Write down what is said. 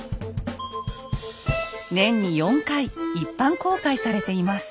年に４回一般公開されています。